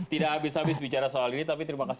tidak habis habis bicara soal ini tapi terima kasih